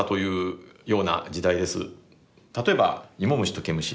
例えば「イモムシとケムシ」。